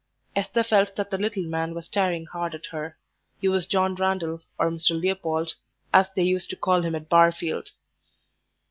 Esther felt that the little man was staring hard at her. He was John Randal, or Mr. Leopold, as they used to call him at Barfield.